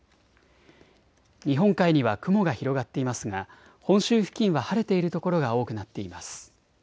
日本海には雲が広がっていますが本州付近は晴れている所が多くなっています。